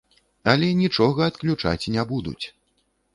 Але нічога адключаць не будуць!